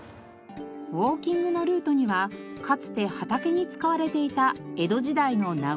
ウォーキングのルートにはかつて畑に使われていた江戸時代の名残が。